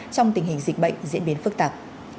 trong tình hình dịch bệnh diễn biến phức tạp